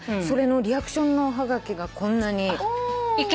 それのリアクションのおはがきがこんなに。